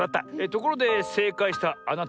ところでせいかいしたあなた。